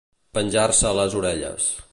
Penjar-se a les orelles.